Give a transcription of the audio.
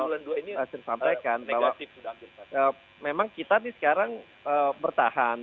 saya sudah sampaikan bahwa memang kita ini sekarang bertahan